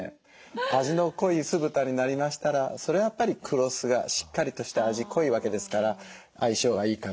味の濃い酢豚になりましたらそれはやっぱり黒酢がしっかりとした味濃いわけですから相性がいいかなと。